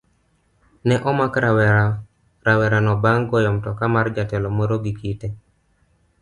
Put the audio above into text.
Ne omak rawerano bang' goyo mtoka mar jatelo moro gi kite